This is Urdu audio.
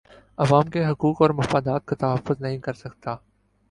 عوام کے حقوق اور مفادات کا تحفظ نہیں کر سکتا